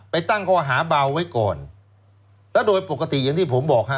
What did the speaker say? ตั้งข้อหาเบาไว้ก่อนแล้วโดยปกติอย่างที่ผมบอกฮะ